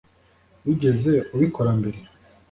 Wigeze ubikora mbere